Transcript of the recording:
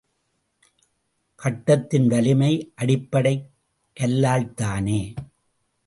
கட்டடத்தின் வலிமை அடிப்படைக் கல்லால்தானே!